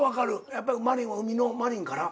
やっぱり真凜は海のマリンから？